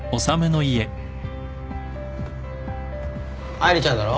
愛梨ちゃんだろ？